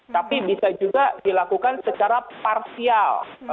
tapi bisa juga dilakukan secara parsial